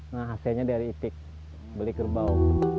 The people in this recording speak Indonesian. nah hasilnya dari itik beli kerbau